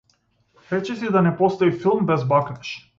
Речиси и да не постои филм без бакнеж.